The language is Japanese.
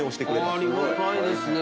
ありがたいですね。